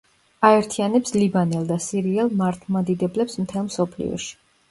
აერთიანებს ლიბანელ და სირიელ მართლმადიდებლებს მთელ მსოფლიოში.